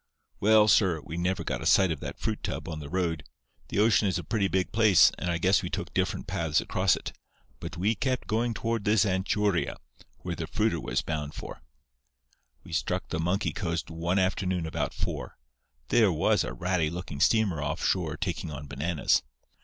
"Well, sir, we never got a sight of that fruit tub on the road. The ocean is a pretty big place; and I guess we took different paths across it. But we kept going toward this Anchuria, where the fruiter was bound for. "We struck the monkey coast one afternoon about four. There was a ratty looking steamer off shore taking on bananas.